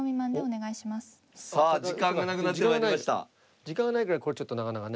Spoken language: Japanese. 時間がないからこれはちょっとなかなかね。